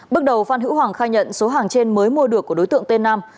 bước đầu phan hữu hoàng khai nhận số hàng trên mới mua được của đối tượng tên nam